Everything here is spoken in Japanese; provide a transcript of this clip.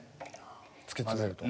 ・突き詰めると？